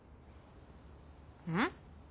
うん？